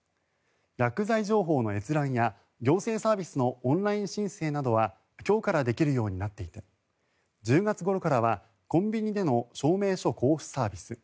薬剤情報の閲覧や行政サービスのオンライン申請などは今日からできるようになっていて１０月ごろからはコンビニでの証明書交付サービス